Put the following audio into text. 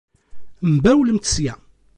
Mbawlemt sya.